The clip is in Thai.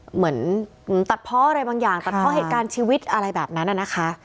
เหมือนตัดเพาะอะไรบางอย่างตัดเพาะเหตุการณ์ชีวิตอะไรแบบนั้นนะคะ